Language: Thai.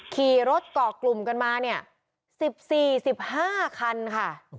ขี่รถก่อกลุ่มกันมาสิบสี่สิบห้าคันค่ะ